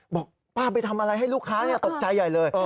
บอกป้าไปทำอะไรให้ลูกค้าตกใจใหญ่เลย